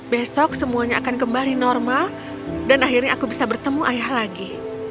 besok semuanya akan kembali normal dan akhirnya aku bisa bertemu ayah lagi